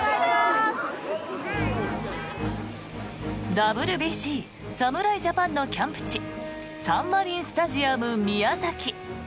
ＷＢＣ、侍ジャパンのキャンプ地サンマリンスタジアム宮崎。